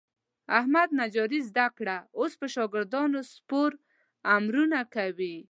احمد نجاري زده کړه. اوس په شاګردانو سپور امرونه کوي.